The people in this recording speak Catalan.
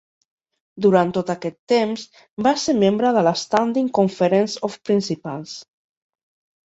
Durant tot aquest temps, va ser membre de la Standing Conference of Principals.